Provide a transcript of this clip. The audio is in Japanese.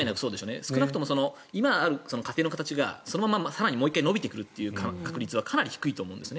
少なくとも今ある家庭の形がそのまま更にもう一回伸びてくる確率はかなり低いと思うんですね。